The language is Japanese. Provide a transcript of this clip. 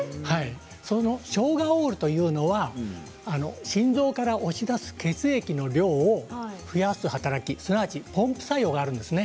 ショウガオールというのは心臓から押し出す血液の量を増やす働き、すなわちポンプ作用があるんです。